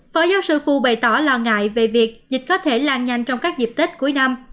phó giáo sư phu bày tỏ lo ngại về việc dịch có thể lan nhanh trong các dịp tết cuối năm